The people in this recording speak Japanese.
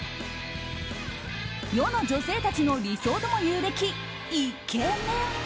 世の女性たちの理想ともいうべきイケメン。